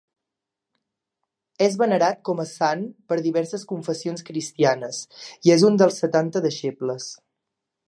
És venerat com a sant per diverses confessions cristianes, i és un dels Setanta deixebles.